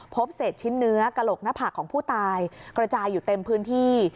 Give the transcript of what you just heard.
พบเศษชิ้นเนื้อกระโหลกหน้าผากของผู้ตายกระจายอยู่เต็มพื้นที่